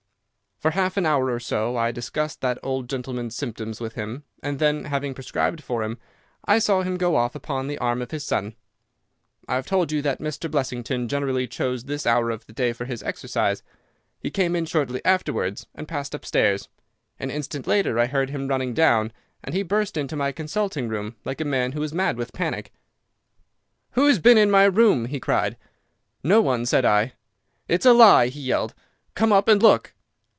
"'For half an hour or so I discussed that old gentleman's symptoms with him, and then, having prescribed for him, I saw him go off upon the arm of his son. "I have told you that Mr. Blessington generally chose this hour of the day for his exercise. He came in shortly afterwards and passed upstairs. An instant later I heard him running down, and he burst into my consulting room like a man who is mad with panic. "'Who has been in my room?' he cried. "'No one,' said I. "'It's a lie! He yelled. 'Come up and look!